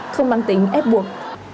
không mang tính ép buộc